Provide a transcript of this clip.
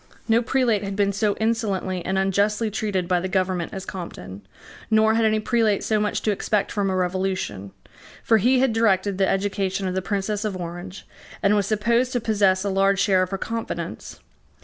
No prelate had been so insolently and unjustly treated by the government as Compton; nor had any prelate so much to expect from a revolution: for he had directed the education of the Princess of Orange, and was supposed to possess a large share of her confidence.